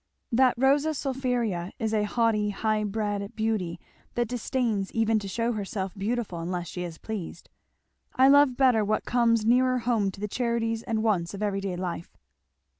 "That Rosa sulphurea is a haughty high bred beauty that disdains even to shew herself beautiful unless she is pleased; I love better what comes nearer home to the charities and wants of everyday life."